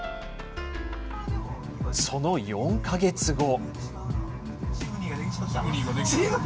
その４か月後。